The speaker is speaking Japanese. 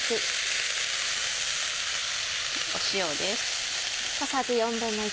塩です。